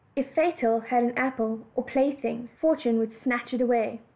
If Fatal had an apple, or plaything, Fortune would snatch it away.